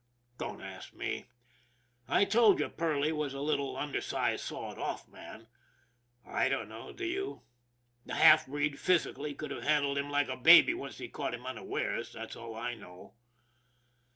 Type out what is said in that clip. Don't ask me. I told you Perley was a little, under sized, sawed off man. I don't know, do I ? The half breed, physically, could have handled him like a baby, once he caught him unawares. That's all I know.